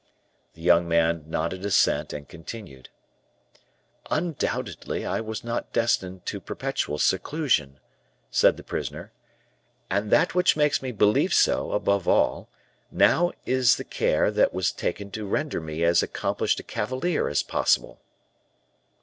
The young man nodded assent and continued: "Undoubtedly, I was not destined to perpetual seclusion," said the prisoner; "and that which makes me believe so, above all, now, is the care that was taken to render me as accomplished a cavalier as possible.